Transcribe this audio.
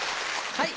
はい！